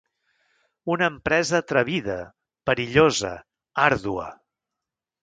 Una empresa atrevida, perillosa, àrdua.